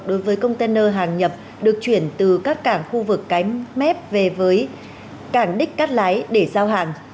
đối với container hàng nhập được chuyển từ các cảng khu vực cánh mép về với cảng đích cắt lái để giao hàng